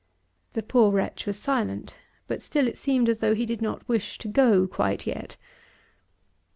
The poor wretch was silent, but still it seemed as though he did not wish to go quite yet.